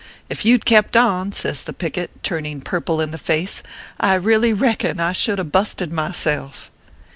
If you d kept on/ says the picket, turning purple in the face, " I really reckon I should a busted myself."